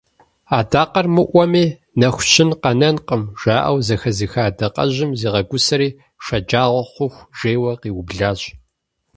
«Адакъэр мыӏуэми нэху щын къанэкъым» жаӏэу зэхэзыха адэкъэжьым зигъэгусэри шэджагъуэ хъуху жейуэ къиублащ.